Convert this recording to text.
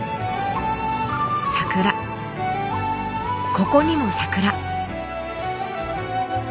ここにも桜。